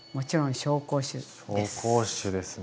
紹興酒ですね。